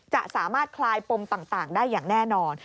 จะสามารถคลายปมต่างได้อย่างแน่นอน